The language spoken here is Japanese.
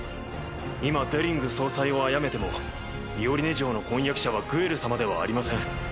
今デリング総裁を殺めてもミオリネ嬢の婚約者はグエル様ではありません。